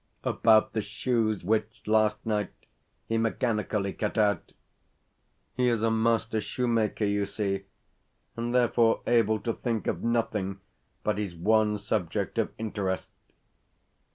about the shoes which last night he mechanically cut out. He is a master shoemaker, you see, and therefore able to think of nothing but his one subject of interest.